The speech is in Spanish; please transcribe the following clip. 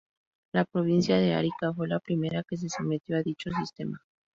La provincia de Arica fue la primera que se sometió a dicho sistema.